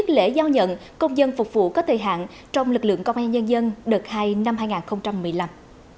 lễ giao nhận công dân phục vụ có thời hạn trong lực lượng công an nhân dân đợt hai năm hai nghìn một mươi năm